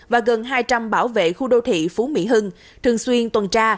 và gần hai trăm linh bảo vệ khu đô thị phú mỹ hưng thường xuyên tuần tra